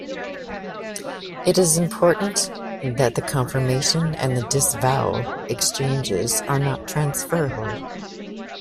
It is important that the confirmation and disavowal exchanges are not transferable.